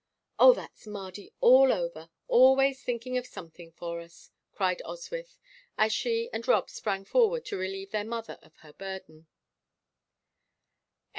"Oh, that's Mardy all over always thinking of something for us!" cried Oswyth, as she and Rob sprang forward to relieve their mother of her burden.